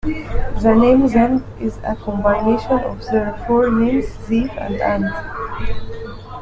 The name Zend is a combination of their forenames, Zeev and Andi.